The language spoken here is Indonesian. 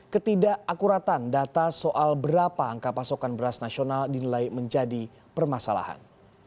ketidakakuratan data soal berapa angka pasokan beras nasional dinilai menjadi permasalahan